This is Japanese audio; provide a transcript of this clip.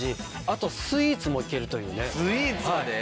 あとスイーツもいけるというね。